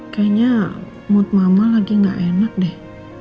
kayaknya mood mama lagi gak enak deh